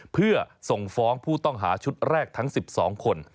เพื่อส่งฟ้องผู้ต้องหาชุดแรกทั้ง๑๒คน